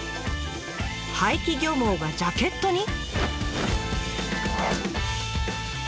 廃棄漁網がジャケットに！？